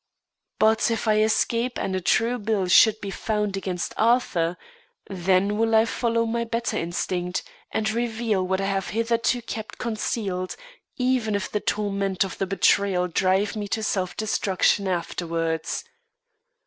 But, if I escape and a true bill should be found against Arthur, then will I follow my better instinct, and reveal what I have hitherto kept concealed, even if the torment of the betrayal drive me to self destruction afterwards.